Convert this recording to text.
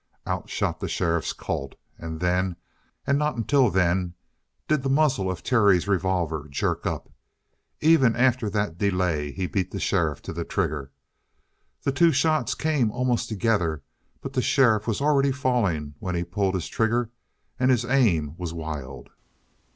Out shot the sheriff's Colt. And then, and not until then, did the muzzle of Terry's revolver jerk up. Even after that delay he beat the sheriff to the trigger. The two shots came almost together, but the sheriff was already falling when he pulled his trigger, and his aim was wild.